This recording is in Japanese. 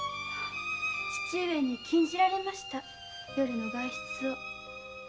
父上に禁じられました夜の外出を。